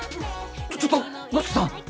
ちょっと五色さん！